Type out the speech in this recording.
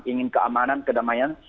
ingin keamanan kedamaian